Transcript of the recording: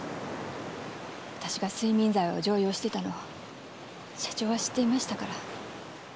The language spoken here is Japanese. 私が睡眠剤を常用してたのを社長は知っていましたから。